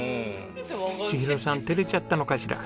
千尋さん照れちゃったのかしら。